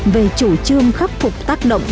về chủ trương khắc phục tác động